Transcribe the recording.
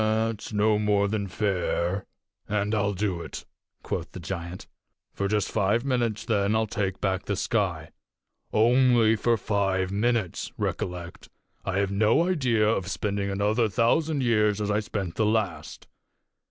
"That's no more than fair, and I'll do it," quoth the giant. "For just five minutes, then, I'll take back the sky. Only for five minutes, recollect. I have no idea of spending another thousand years as I spent the last.